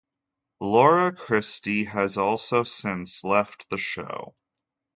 Laura Christie has also since left the show.